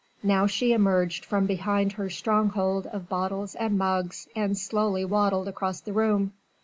Now she emerged from behind her stronghold of bottles and mugs and slowly waddled across the room.